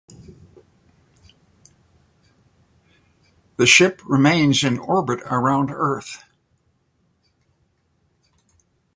The ship remains in orbit around Earth.